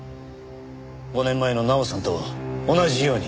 ５年前の奈緒さんと同じように。